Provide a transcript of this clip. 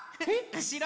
うしろ？